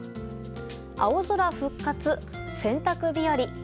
青空復活、洗濯日和。